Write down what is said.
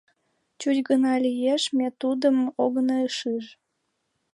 — Чуч гына лиеш, ме тудым огына шиж.